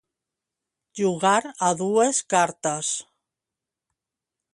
Jugar a dues cartes.